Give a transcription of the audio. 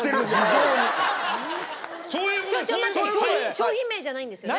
商品名じゃないんですよね？